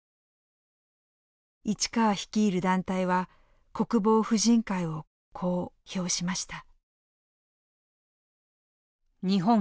市川率いる団体は国防婦人会をこう評しました。